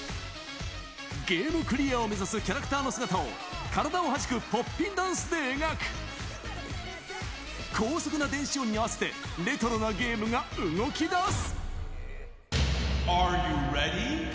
ゲームクリアを目指すキャラクターの姿を、体をはじくポッピンダンスで描く高速な電子音に合わせてレトロなゲームが動きだす。